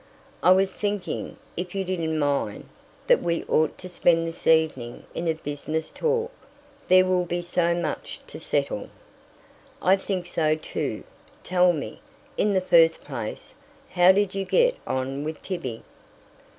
"I was thinking, if you didn't mind, that we ought to spend this evening in a business talk; there will be so much to settle." "I think so too. Tell me, in the first place, how did you get on with Tibby?"